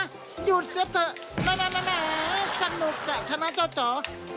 หยุดเสียเถอะแม่สนุกอ่ะชนะเจ้าจ๋อ